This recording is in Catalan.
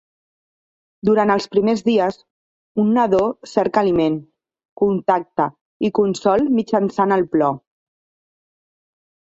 Durant els primers dies, un nadó cerca aliment, contacte i consol mitjançant el plor.